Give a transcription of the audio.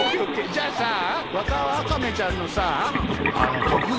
じゃあさワカワカメちゃんのさあのとくぎ。